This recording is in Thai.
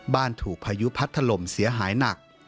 ถูกพายุพัดถล่มเสียหายหนัก